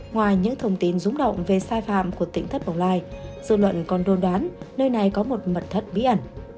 ngoài những thông tin rúng động về sai phạm của tỉnh thất bóng lai dư luận còn đồn đoán nơi này có một mật thất bí ẩn